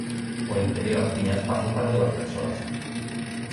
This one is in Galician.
O interior tiña espazo para dúas persoas.